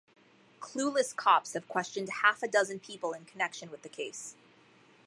Clueless cops have questioned half a dozen people in connection with the case.